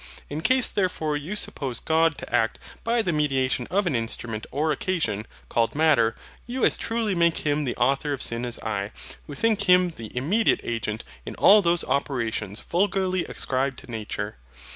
In case therefore you suppose God to act by the mediation of an instrument or occasion, called MATTER, you as truly make Him the author of sin as I, who think Him the immediate agent in all those operations vulgarly ascribed to Nature.